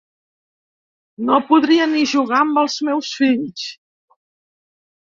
No podria ni jugar amb els meus fills.